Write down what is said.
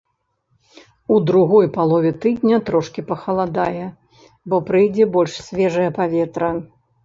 У другой палове тыдня трошкі пахаладае, бо прыйдзе больш свежае паветра.